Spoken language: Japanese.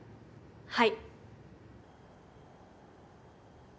はい。